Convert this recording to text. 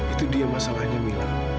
itu dia masalahnya mila